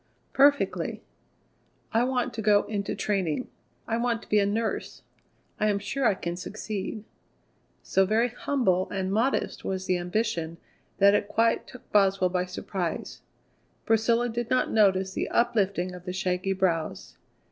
"Perfectly." "I want to go into training. I want to be a nurse. I am sure I can succeed." So very humble and modest was the ambition that it quite took Boswell by surprise. Priscilla did not notice the uplifting of the shaggy brows.